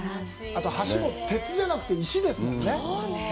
あと、橋も鉄じゃなくて石ですもんね。